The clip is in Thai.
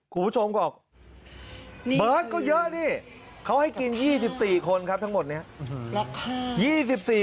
คุณผู้ชมบอกเบิร์ตก็เยอะนี่เขาให้กิน๒๔คนครับทั้งหมดนี้ราคา